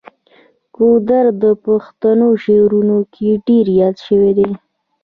ګودر د پښتو شعرونو کې ډیر یاد شوی دی.